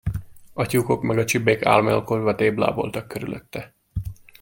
A tyúkok meg a csibék álmélkodva tébláboltak körülötte.